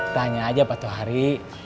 tanya aja pak tuhari